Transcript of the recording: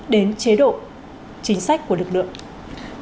đến chế độ chính sách của lực lượng